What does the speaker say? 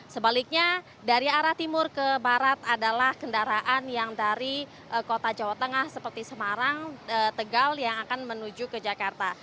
sebaliknya dari arah timur ke barat adalah kendaraan yang dari kota jawa tengah seperti semarang tegal yang akan menuju ke jakarta